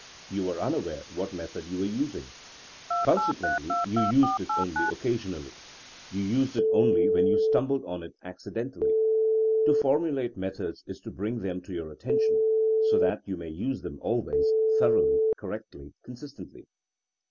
You were unaware what method you were using. Conse quently you used it only occasionally. You used it only when you stumbled on it acci dentally. To formulate methods is to bring them to your attention, so that you may use theni always, thoroughly, correctly, consist ently.